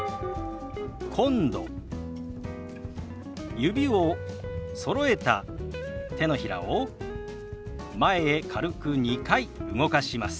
指をそろえた手のひらを前へ軽く２回動かします。